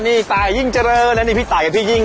นี่ตายยิ่งเจริญแล้วนี่พี่ตายกับพี่ยิ่ง